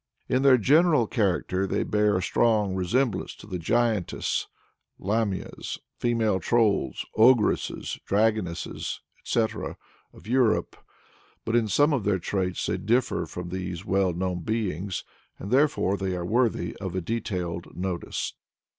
In their general character they bear a strong resemblance to the Giantesses, Lamias, female Trolls, Ogresses, Dragonesses, &c., of Europe, but in some of their traits they differ from those well known beings, and therefore they are worthy of a detailed notice.